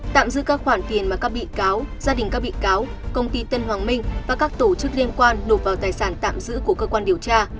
tạm giữ các khoản tiền mà các bị cáo gia đình các bị cáo công ty tân hoàng minh và các tổ chức liên quan nộp vào tài sản tạm giữ của cơ quan điều tra